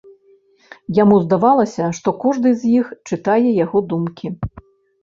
Яму здавалася, што кожны з іх чытае яго думкі.